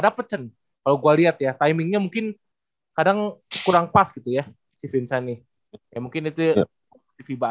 tapi pas mainnya apa ya